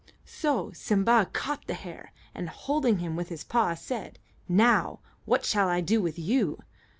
So Simba caught the hare, and, holding him with his paw, said, "Now, what shall I do with you?"